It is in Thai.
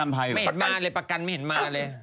ไม่เห็นมาเลยประกันไม่เห็นมาเลย